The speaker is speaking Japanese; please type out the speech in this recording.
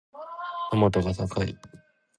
トマトが高い。